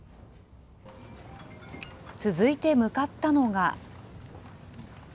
続いて向かったのが。